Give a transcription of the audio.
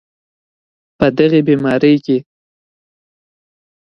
په دغې بیمارۍ کې